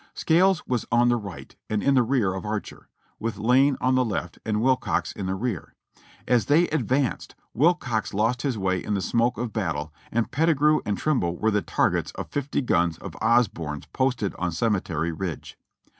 Scales was on the right and in the rear of Archer, with Lane on the left and Wilcox in the rear; as they advanced Wilcox lost his way in the smoke of battle and Pettigrew and Trimble were the targets of fifty guns of Osborne's posted on Cemetery Ridge.